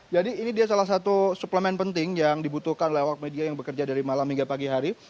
jadi ini dia salah satu suplemen penting yang dibutuhkan lewat media yang bekerja dari malam hingga pagi hari